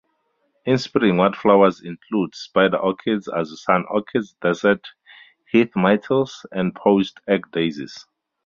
In spring, wildflowers include spider orchids, azure sun orchids, desert heath-myrtles and poached-egg daisies.